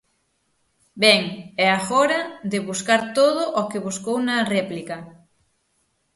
Ben, e agora de buscar todo o que buscou na réplica.